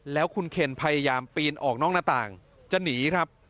แล้วคุณเคนพยายามปีนออกนอกหน้าต่างจะหนีครับ